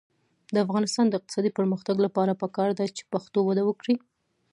د افغانستان د اقتصادي پرمختګ لپاره پکار ده چې پښتو وده وکړي.